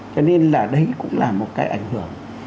cho nên là đấy cũng là một cái ảnh hưởng